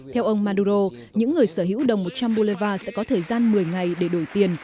theo ông maduro những người sở hữu đồng một trăm linh bolivar sẽ có thời gian một mươi ngày để đổi tiền